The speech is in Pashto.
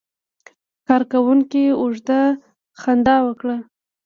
کارکونکي اوږده خندا وکړه.